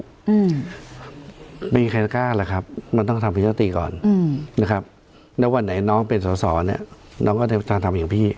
อืมมีใครกล้าล่ะครับมันต้องทำประชาธิก่อนอืมนะครับแล้ววันไหนน้องเป็นสอสอเนี้ยน้องก็จะทำอย่างพี่